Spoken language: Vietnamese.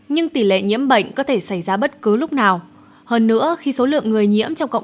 nhưng tỷ lệ nhiễm bệnh có thể xảy ra bất cứ lúc nào hơn nữa khi số lượng người nhiễm trong cộng